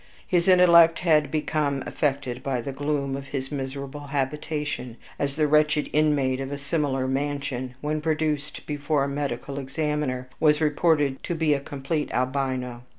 His intellect had become affected by the gloom of his miserable habitation, as the wretched inmate of a similar mansion, when produced before a medical examiner, was reported to be a complete Albino.